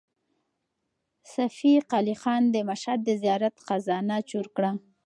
صفي قلي خان د مشهد د زیارت خزانه چور کړه.